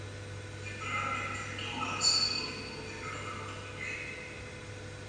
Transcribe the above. Tempranamente, toma el seudónimo de Bernard Romain.